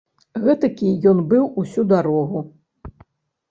Гэтакі ён быў усю дарогу.